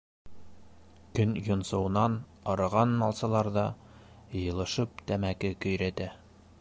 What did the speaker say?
Көн йонсоуынан арыған малсылар ҙа, йыйылышып, тәмәке көйрәтә.